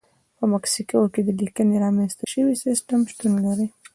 په مکسیکو کې د لیکنې رامنځته شوی سیستم شتون لري.